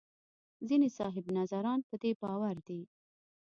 ځینې صاحب نظران په دې باور دي.